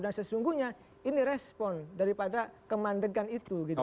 dan sesungguhnya ini respon daripada kemandegan itu